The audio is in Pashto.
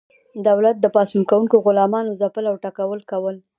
دولت د پاڅون کوونکو غلامانو ځپل او ټکول کول.